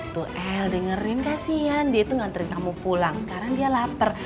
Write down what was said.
tuh el dengerin kasian dia itu nganterin kamu pulang sekarang dia lapar